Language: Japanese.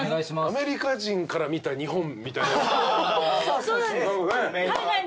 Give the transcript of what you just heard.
アメリカ人から見た日本みたい。